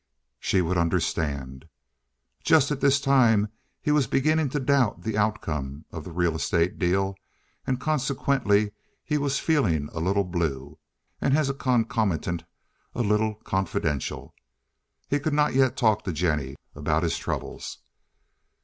She would understand. Just at this time he was beginning to doubt the outcome of the real estate deal, and consequently he was feeling a little blue, and, as a concomitant, a little confidential. He could not as yet talk to Jennie about his troubles.